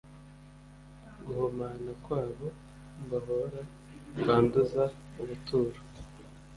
guhumana kwabo mbahora kwanduza ubuturo